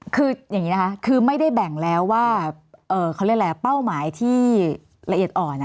คืออย่างนี้นะคะคือไม่ได้แบ่งแล้วว่าเขาเรียกอะไรเป้าหมายที่ละเอียดอ่อน